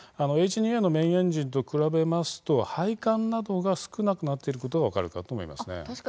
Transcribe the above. Ｈ２Ａのメインエンジンと比べますと、配管などが少なくなっていることが分かるかと思います。